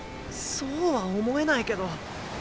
そうは思えないけど。